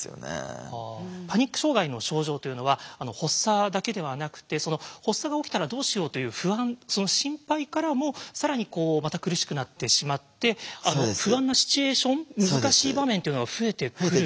パニック障害の症状というのは発作だけではなくて「発作が起きたらどうしよう」という不安その心配からも更にまた苦しくなってしまって不安なシチュエーション難しい場面というのが増えてくる。